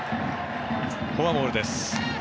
フォアボールです。